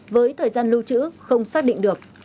với thời gian lưu trữ không xác định được